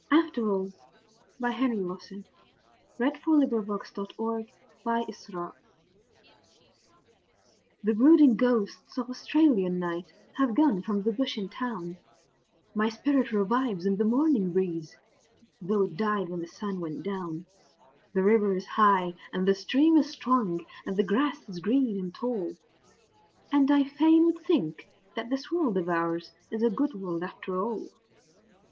Tom! I hear the diggers shouting: 'Bully for the STAR!'' After All The brooding ghosts of Australian night have gone from the bush and town; My spirit revives in the morning breeze, though it died when the sun went down; The river is high and the stream is strong, and the grass is green and tall, And I fain would think that this world of ours is a good world after all.